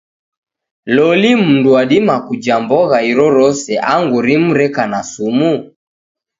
Loli mndu wadima kuja mbogha irorose angu rimu reka na sumu?